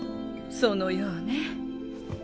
そのようね。